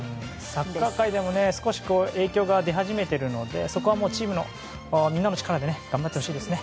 サッカー界でも影響が出始めているのでそこはチームのみんなの力で頑張ってほしいですね。